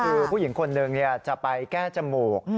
คือผู้หญิงคนหนึ่งจะไปแก้จมูก